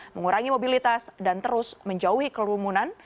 mengurangi mobilitas dan terus menjauhi kerumunan